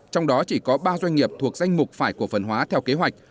trong đó chỉ có ba doanh nghiệp thuộc danh mục phải cổ phần hóa theo kế hoạch